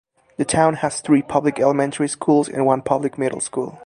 The town has three public elementary schools and one public middle school.